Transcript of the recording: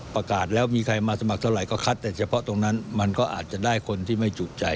ประกาศแล้วมีใครมาสมัครเท่าไหร่ก็คัดแต่เฉพาะตรงนั้นมันก็อาจจะได้คนที่ไม่จุใจ